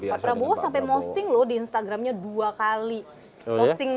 pak prabowo sampai mosting loh di instagramnya dua kali posting